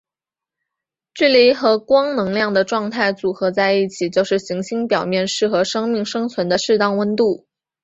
距离和光能量的状态组合在一起就是行星表面适合生命生存的适当温度。